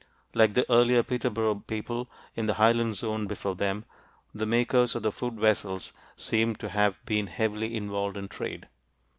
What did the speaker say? Like the earlier Peterborough people in the highland zone before them, the makers of the food vessels seem to have been heavily involved in trade.